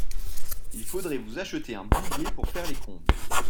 Il faudrait vous acheter un boulier pour faire les comptes